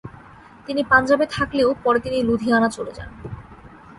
তিনি পাঞ্জাবে থাকলেও পরে তিনি লুধিয়ানা চলে যান।